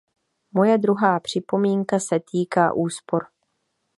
Moje druhá připomínka se týká úspor.